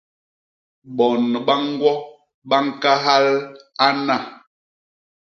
Bon ba ñgwo ba ñkahal ana.